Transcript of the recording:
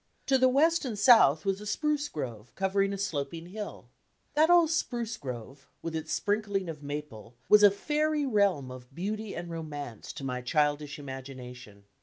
To the west and south was a spruce grove, covering a sloping hill. That old spruce grove, with its sprinkling of maple, was a fairy realm of beauty and romance to my childish imagination.